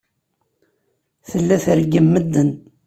Tella treggem medden.